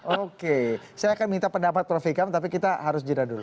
oke saya akan minta pendapat prof ikam tapi kita harus jeda dulu